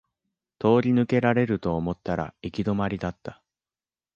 通り抜けられると思ったら行き止まりだった